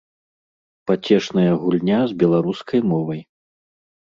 Пацешная гульня з беларускай мовай.